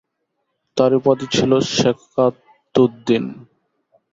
তার উপাধি ছিল সেকাতুদ্দীন।